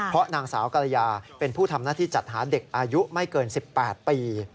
เพราะนางสาวกรยาเป็นผู้ทำหน้าที่จัดหาเด็กอายุไม่เกิน๑๘ปี